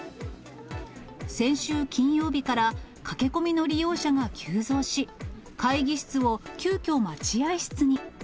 先週金曜日から駆け込みの利用者が急増し、会議室を急きょ、待合室に。